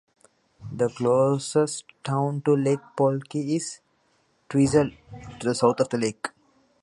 The closest town to Lake Pukaki is Twizel, to the south of the lake.